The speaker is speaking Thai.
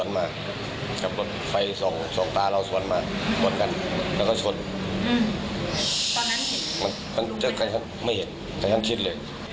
นั่นก็เป็นนึกว่าไม่ใช่ผล